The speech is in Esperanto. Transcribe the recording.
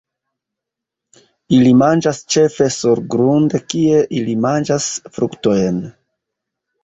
Ili manĝas ĉefe surgrunde, kie ili manĝas fruktojn.